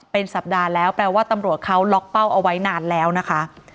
เป็นสัปดาห์แล้วแปลว่าตำรวจเขาล็อกเป้าเอาไว้นานแล้วนะคะ